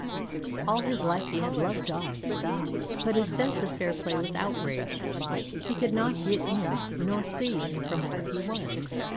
All his life he had loved Dogs, but his sense of fair play was outraged. He could not get in, nor see in from where he was.